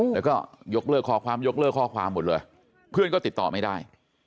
แล้วก็ยกเลิกข้อความยกเลิกข้อความหมดเลยเพื่อนก็ติดต่อไม่ได้